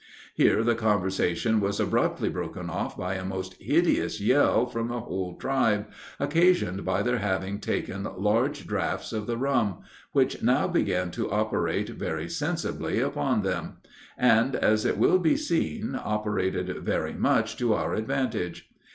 Here the conversation was abruptly broken off by a most hideous yell from the whole tribe, occasioned by their having taken large draughts of the rum, which now began to operate very sensibly upon them; and, as it will be seen, operated very much to our advantage.